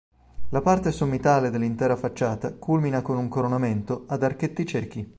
La parte sommitale dell'intera facciata culmina con un coronamento ad archetti ciechi.